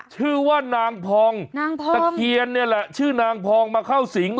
ชื่อว่านางพองนางพองตะเคียนนี่แหละชื่อนางพองมาเข้าสิง